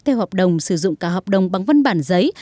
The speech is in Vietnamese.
theo hợp đồng sử dụng cả hợp đồng bằng văn bản giấy